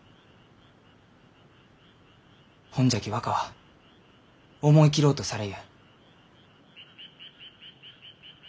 ほんじゃき若は思い切ろうとされゆう。